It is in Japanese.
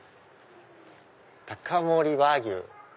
「高森和牛」。